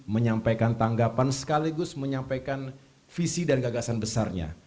menyampaikan tanggapan sekaligus menyampaikan visi dan gagasan besarnya